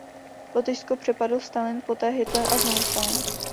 Lotyšsko přepadl Stalin, poté Hitler a znovu Stalin.